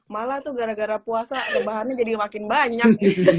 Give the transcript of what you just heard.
malah tuh gara gara puasa rebahannya jadi makin banyak